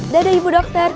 dadah ibu dokter